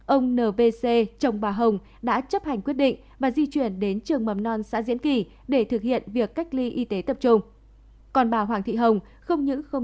ông nvc chồng bà hồng đã chấp hành quyết định và di chuyển đến trường mầm non